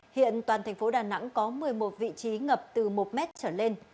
hiện toàn tp đà nẵng có một mươi một vị trí ngập từ một m trở lên